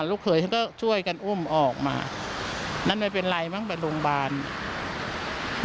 ลูกเขยฉันก็ช่วยกันอุ้มออกมานั่นไม่เป็นไรมั้งไปโรงพยาบาล